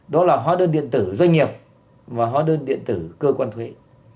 đó là hóa đơn điện tử doanh nghiệp và hóa đơn điện tử cơ quan thuế